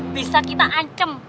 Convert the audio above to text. bisa kita ancam